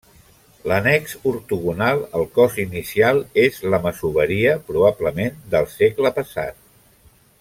L'annex ortogonal al cos inicial és la masoveria, probablement del segle passat.